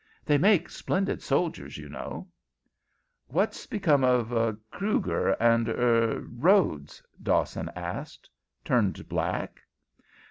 They make splendid soldiers, you know." "What's become of Krüger and er Rhodes?" Dawson asked. "Turned black?"